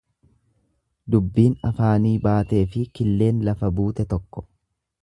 Dubbiin afaanii baateefi killeen lafa buute tokko.